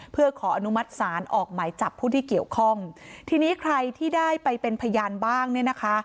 เพื่อขออนุมัติศาลออกหมายจับผู้ที่เกี่ยวข้องทีนี้ใครที่ได้ไปเป็นพยานบ้างเนี่ยนะคะ